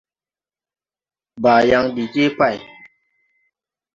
Baayaŋ de jee pày.